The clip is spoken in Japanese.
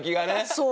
そう。